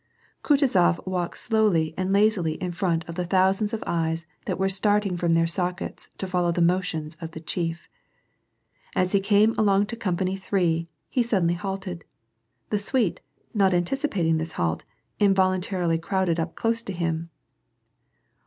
Kutuzof walked slowly and lazily in front of the thousands of eyes that were starting from their sockets to follow the motions of the chief. As he came along to company three, he suddenly halted. The suite, not anticipating this halt, in voluntarily crowded up close to him.